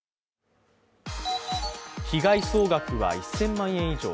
被害総額は１０００万円以上。